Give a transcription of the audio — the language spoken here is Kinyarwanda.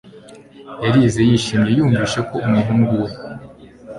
Yarize yishimye yumvise ko umuhungu we